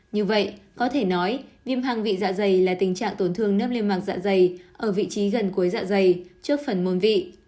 như vậy có thể nói viêm hăng vị dạ dày là tình trạng tổn thương nếp liên mạc dạ dày ở vị trí gần cuối dạ dày trước phần mồn vị